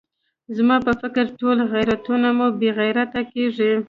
زما په فکر ټول غیرتونه مو بې غیرته کېږي.